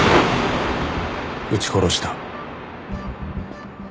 撃ち殺した。